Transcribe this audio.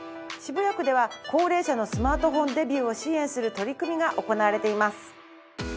渋谷区では高齢者のスマートフォンデビューを支援する取り組みが行われています。